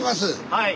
はい。